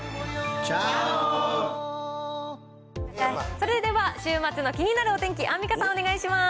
それでは週末の気になるお天気、アンミカさん、お願いします。